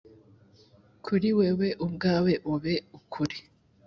kuri wewe ubwawe ube ukuri